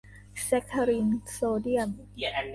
แซ็กคารินโซเดียม